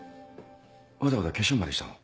わざわざ化粧までしたの？